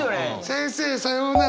先生さようなら。